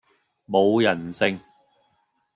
冇人性!